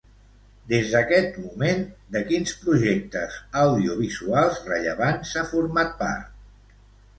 Des d'aquest moment, de quins projectes audiovisuals rellevants ha format part?